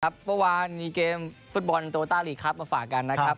เมื่อวานมีเกมฟุตบอลโตต้าลีกครับมาฝากกันนะครับ